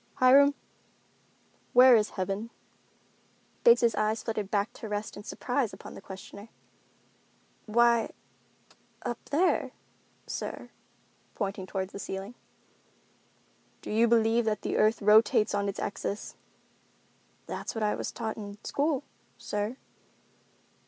"Hiram, where is heaven?" Biggs' eyes flitted back to rest in surprize upon the questioner. "Why, up there, sir," pointing toward the ceiling. "Do you believe that the earth rotates on its axis?" "That's what I was taught in school, sir."